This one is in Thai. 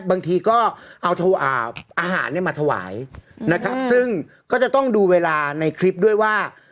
บางทีก็เอาอาหารเนี่ยมาถวายนะครับซึ่งก็จะต้องดูเวลาในคลิปด้วยว่า